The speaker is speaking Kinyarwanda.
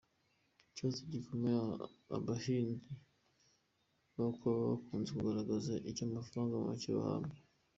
Ikibazo gikomereye abahinzi ba kawa bakunze kugaragaza, ni icy’amafaranga make bahabwa.